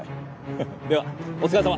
フフッではお疲れさま。